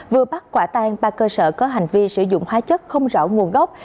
vừa bắt quả tan ba cơ sở có hành vi sử dụng hóa chất không rõ nguồn gốc